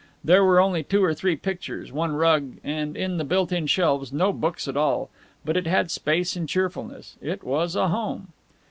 There were only two or three pictures, one rug, and, in the built in shelves, no books at all. But it had space and cheerfulness; it was a home.